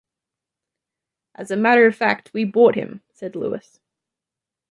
“As a matter of fact we bought him,” said Louis.